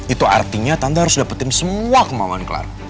itu artinya tante harus dapetin semua kemauan clara